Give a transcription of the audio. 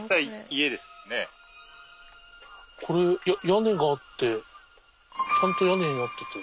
これ屋根があってちゃんと屋根になってて。